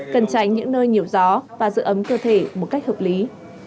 cần tránh những nơi nhiều gió và giữ ấm cơ thể một cách hợp lý